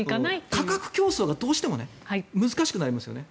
価格競争がどうしても難しくなりますよね。